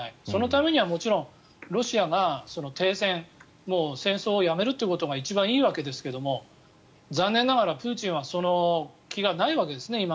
そのためにはもちろんロシアが停戦戦争をやめるということが一番いいわけですが残念ながらプーチンはその気がないわけですね。